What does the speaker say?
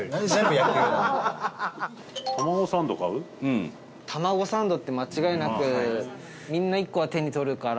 八乙女：たまごサンドって間違いなくみんな、１個は手に取るから。